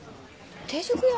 定食屋？